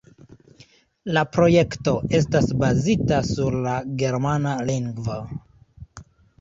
La projekto estas bazita sur la germana lingvo.